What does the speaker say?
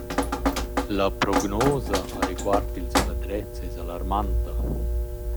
La prognosa a reguard ils vadrets es alarmanta.